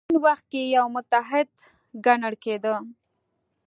په عین وخت کې یو متحد ګڼل کېده.